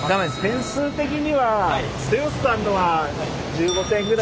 点数的には剛さんのは１５点ぐらい。